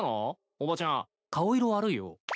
おばちゃん顔色悪いよ。